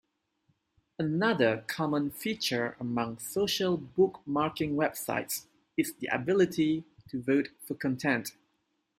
Another common feature among social bookmarking websites is the ability to vote for content.